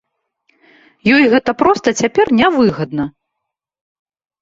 Ёй гэта проста цяпер нявыгадна!